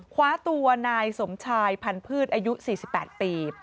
คว้าตัวนายสมชายพันธุ์อายุ๔๘ปี